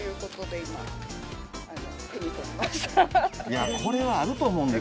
いやこれはあると思うんですよ